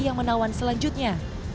yang menawan selanjutnya